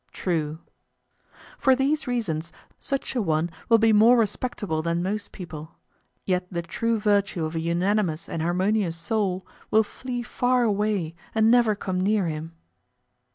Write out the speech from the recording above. True. For these reasons such an one will be more respectable than most people; yet the true virtue of a unanimous and harmonious soul will flee far away and never come near him.